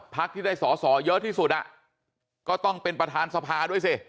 พักที่ได้สอสอเยอะที่สุดก็ต้องเป็นประธานสภาด้วยสิ